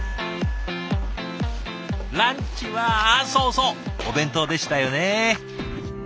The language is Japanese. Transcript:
ランチはそうそうお弁当でしたよね。